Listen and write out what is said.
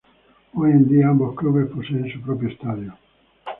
Hoy en día ambos clubes poseen su propio estadio.